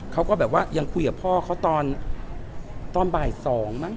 เขาก็แบบว่ายังคุยกับพ่อเขาตอนบ่าย๒มั้ง